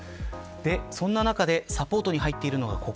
そんな中でサポートに入っているのがここ。